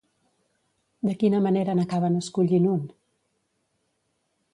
De quina manera n'acaben escollint un?